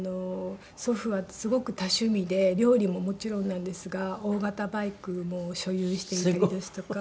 祖父はすごく多趣味で料理ももちろんなんですが大型バイクも所有していたりですとか。